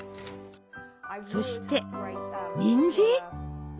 そしてにんじん？